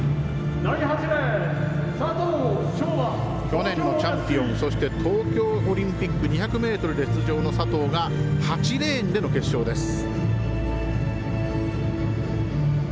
去年のチャンピオンそして、東京オリンピック２００ｍで出場の佐藤が８レーンでの決勝です。